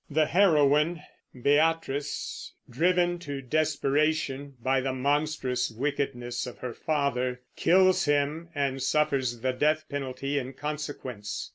The heroine, Beatrice, driven to desperation by the monstrous wickedness of her father, kills him and suffers the death penalty in consequence.